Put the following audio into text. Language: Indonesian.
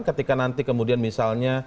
ketika nanti kemudian misalnya